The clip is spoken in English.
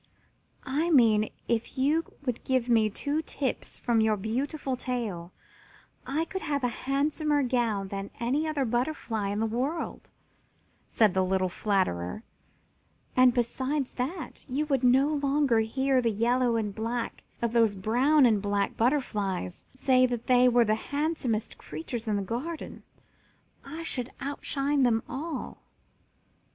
"I mean if you would give me two tips from your beautiful tail I could have a handsomer gown than any other butterfly in the world," said the little flatterer, "and besides that, you would no longer hear the yellow and black and those brown and black butterflies say that they were the handsomest creatures in the garden. I should outshine them all."